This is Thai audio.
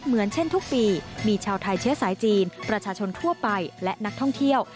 เหมือนเช่นทุกปีมีชาวไทยเชื้อสายจีนประชาชนทั่วไปและนักท่องเที่ยว